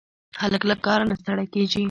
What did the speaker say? هلک له کاره نه ستړی کېږي.